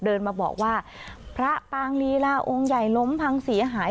เดินมาบอกว่าพระปางลีลาองค์ใหญ่ล้มพังเสียหาย